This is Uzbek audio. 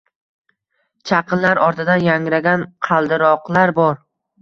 Chaqinlar ortidan yangragan qaldiroqlar bor.